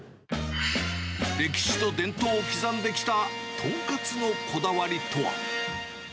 歴史と伝統を刻んできた、とんかつのこだわりとは。